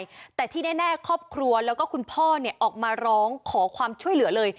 ใช่แต่ที่แน่ครอบครัวแล้วก็คุณพ่อเนี่ยออกมาร้องขอความช่วยเหลือเลย